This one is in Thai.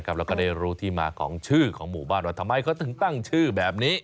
แล้วก็ได้รู้ที่มาของชื่อของหมู่บ้านว่าทำไมเขาถึงตั้งชื่อแบบนี้